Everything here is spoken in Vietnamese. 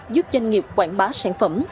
giúp doanh nghiệp quảng bá sản phẩm